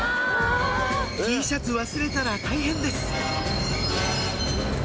Ｔシャツ忘れたら大変です